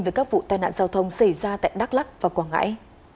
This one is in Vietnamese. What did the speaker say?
về các vụ tai nạn giao thông xảy ra tại đắk lắc và quảng ngãi